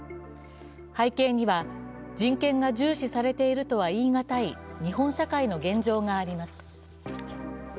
背景には、人権が重視されているとは言いがたい日本社会の現状があります。